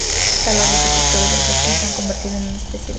El talado de sectores del bosque la han convertido en una especie escasa.